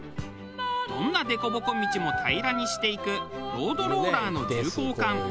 どんな凸凹道も平らにしていくロードローラーの重厚感